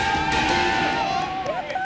やったー！